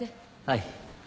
はい。